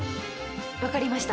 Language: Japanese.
「分かりました。